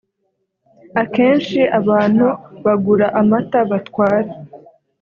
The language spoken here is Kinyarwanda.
akeshi abantu bagura amata batwara